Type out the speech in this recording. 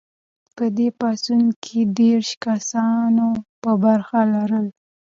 په دې پاڅون کې دیرش زره کسانو برخه لرله.